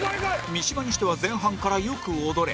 三島にしては前半からよく踊れ